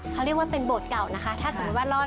เขาเรียกว่าเป็นโบสถ์เก่านะคะถ้าสมมุติว่ารอด